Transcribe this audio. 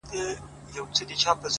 هغې کافري په ژړا کي راته وېل ه،